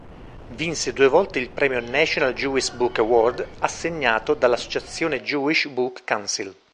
Vinse due volte il premio "National Jewish Book Award" assegnato dall'associazione Jewish Book Council.